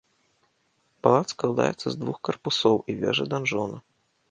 Палац складаецца з двух карпусоў і вежы-данжона.